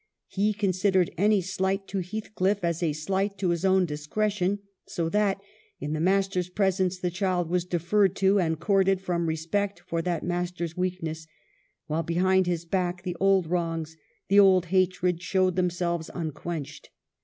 He considered any slight to Heathcliff as a slight to his own discretion ; so that, in the master's presence, the child was deferred to and courted from respect for that master's weakness, while, behind his back, the old wrongs, the old hatred, showed themselves unquenched.